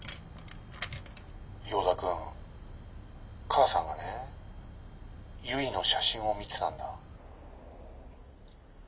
「ヨーダ君母さんがねゆいの写真を見てたんだ」。